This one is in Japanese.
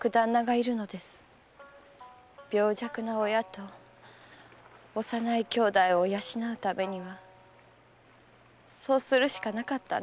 病弱な親と幼い兄弟を養うにはそうするしかなかったんです。